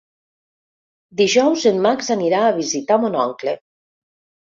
Dijous en Max anirà a visitar mon oncle.